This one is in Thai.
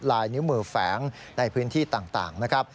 ลายนิ้วมือแฝงในพื้นที่ต่างนะครับ